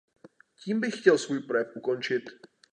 Tím bych chtěl svůj projev ukončit.